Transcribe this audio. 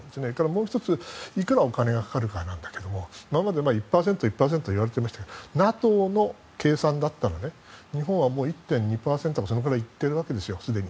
もう１ついくらお金がかかるかなんだけど今まで１％といわれていましたがＮＡＴＯの計算だったら日本は１．２％とかそれくらいいっているわけですよ。